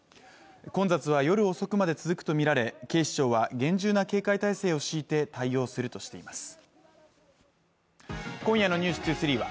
混雑は夜遅くまで続くと見られ警視庁は厳重な警戒態勢を敷いて対応するとしています